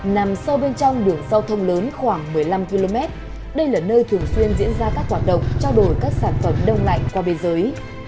nằm sâu bên trong đường giao thông lớn khoảng một mươi năm km đây là nơi thường xuyên diễn ra các hoạt động trao đổi các sản phẩm đông lạnh qua biên giới